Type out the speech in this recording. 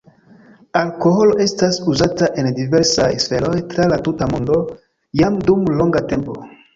Alkoholo estas uzata en diversaj sferoj tra la tuta mondo jam dum longa tempo.